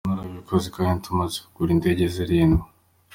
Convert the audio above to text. Narabikoze kandi tumaze kugura indege zirindwi.”